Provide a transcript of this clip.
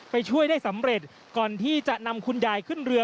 ไปช่วยได้สำเร็จก่อนที่จะนำคุณยายขึ้นเรือ